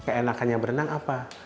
keenakan yang berenang apa